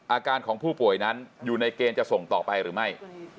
อาการของผู้ป่วยนั้นอยู่ในเกณฑ์จะส่งต่อไปหรือไม่